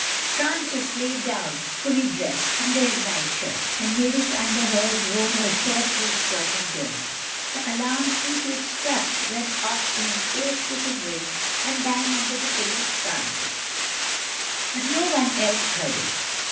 Francis lay down fully dressed, under his nightshirt. And Mavis under hers wore her short blue skirt and jersey. The alarm, true to its trust, went off into an ear splitting whizz and bang under the pillow of Francis, but no one else heard it.